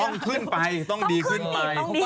ต้องขึ้นไปต้องดีขึ้นไป